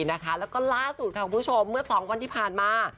แล้วก็ล่าสุดค่ะคุณผู้ชมเมื่อ๒วันที่ผ่านมา